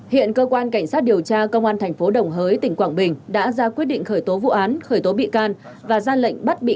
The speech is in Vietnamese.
hiện cơ quan cảnh sát điều tra công an thành phố đồng hới tỉnh quảng bình đã ra quyết định khởi tố vụ án khởi tố bị can và ra lệnh bắt bị can